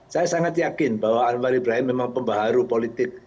saya sangat yakin bahwa anwar ibrahim memang pembaharu politik